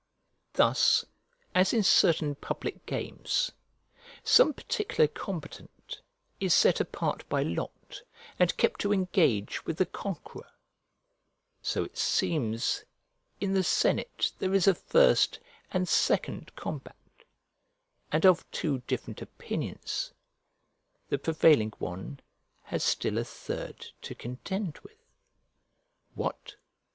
Thus, as, in certain public games, some particular combatant is set apart by lot and kept to engage with the conqueror; so, it seems, in the senate there is a first and second combat, and of two different opinions, the prevailing one has still a third to contend with. What?